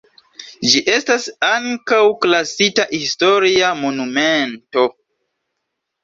Ĝi estas ankaŭ klasita historia monumento.